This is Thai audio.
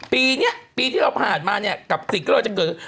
ปีนี้ปีที่เราผ่านมากับสิ่งที่กำลังจะเกิด